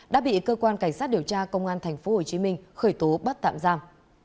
đã bị cơ quan cảnh sát điều tra công an tp hcm khởi tố bắt tạm giam